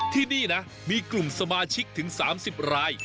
ที่นี่นะมีกลุ่มสมาชิกถึง๓๐ราย